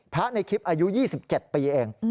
ในคลิปอายุ๒๗ปีเอง